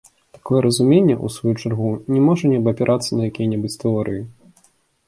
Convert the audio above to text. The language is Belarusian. Такое разуменне, у сваю чаргу, не можа не абапірацца на якія-небудзь тэорыі.